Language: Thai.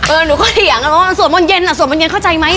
เออหนูก็เหลียงสวนมนต์เย็นอ่ะสวนมนต์เย็นเข้าใจไหม